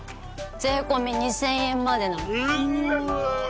税込み２０００円までならおお！